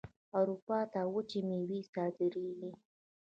اروپا ته وچې میوې صادریږي.